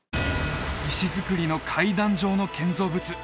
石造りの階段状の建造物